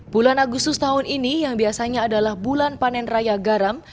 bulan agustus tahun ini yang biasanya adalah bulan panen raya garam